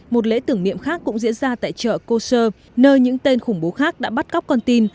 một lễ tưởng niệm khác cũng diễn ra tại chợ koscher nơi những tên khủng bố khác đã bắt cóc con tin